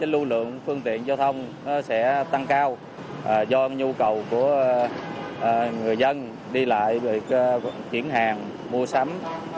lưu lượng phương tiện giao thông sẽ tăng cao do nhu cầu của người dân đi lại việc chuyển hàng mua sắm